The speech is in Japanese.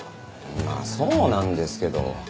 まあそうなんですけど。